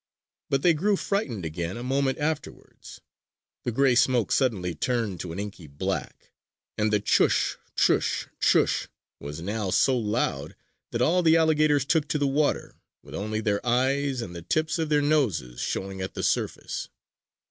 But they grew frightened again a moment afterwards. The gray smoke suddenly turned to an inky black, and the Chush! Chush! Chush! was now so loud that all the alligators took to the water, with only their eyes and the tips of their noses showing at the surface.